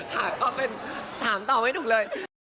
ค่ะก็เป็นถามตอบไม่ถูกเลย